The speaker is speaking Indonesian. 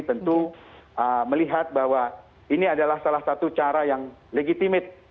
tentu melihat bahwa ini adalah salah satu cara yang legitimit